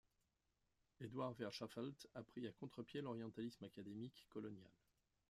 Edouard Verschaffelt a pris à contre-pied l'orientalisme académique, colonial.